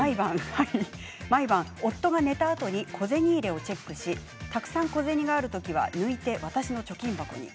毎晩、夫が寝たあとに小銭入れチェックしたくさん小銭がある時は抜いて私の貯金箱に。